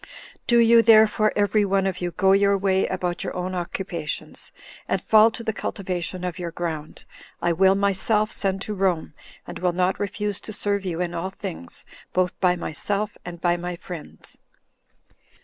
Do you, therefore, every one of you, go your way about your own occupations, and fall to the cultivation of your ground; I will myself send to Rome, and will not refuse to serve you in all things, both by myself and by my friends."